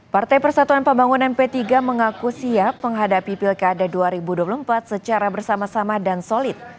partai persatuan pembangunan p tiga mengaku siap menghadapi pilkada dua ribu dua puluh empat secara bersama sama dan solid